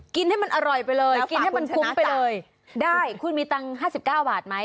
กินให้มันอร่อยไปเลยกินให้มันคุ้มไปเลยได้คุณมีตังค์๕๙บาทไหม